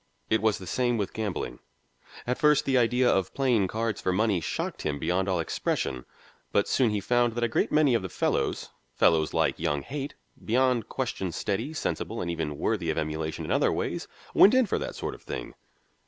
It was the same with gambling. At first the idea of playing cards for money shocked him beyond all expression. But soon he found that a great many of the fellows, fellows like young Haight, beyond question steady, sensible and even worthy of emulation in other ways, "went in for that sort of thing."